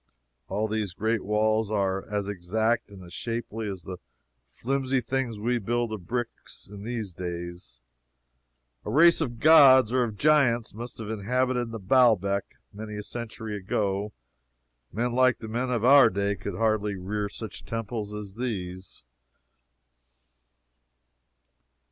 All these great walls are as exact and shapely as the flimsy things we build of bricks in these days. A race of gods or of giants must have inhabited Baalbec many a century ago. Men like the men of our day could hardly rear such temples as these.